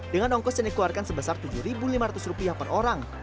dengan ongkos yang dikeluarkan sebesar tujuh lima ratus per orang